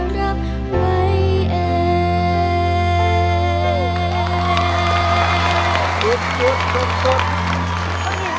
ถูกเขาทำร้ายเพราะใจเธอแบกรับมันเอง